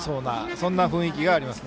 そんな雰囲気があります。